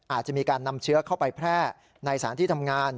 อาจจะมีการนำเชื้อเข้าไปแพร่ในสารที่ทำงาน